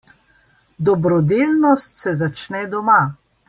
Dobrodelnost se začne doma.